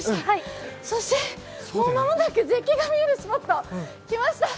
そして間もなく絶景が見えるスポットに来ました。